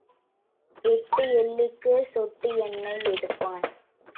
எட்டு எள்ளுக்குச் சொட்டு எண்ணெய் எடுப்பான்.